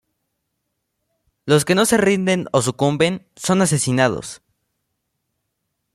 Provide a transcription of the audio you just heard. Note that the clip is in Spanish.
Los que no se rinden o sucumben, son asesinados.